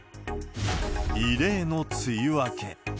異例の梅雨明け。